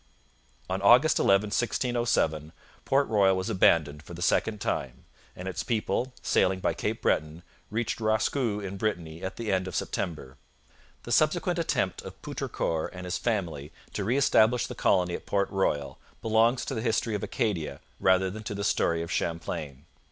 On August 11, 1607, Port Royal was abandoned for the second time, and its people, sailing by Cape Breton, reached Roscou in Brittany at the end of September. The subsequent attempt of Poutrincourt and his family to re establish the colony at Port Royal belongs to the history of Acadia rather than to the story of Champlain.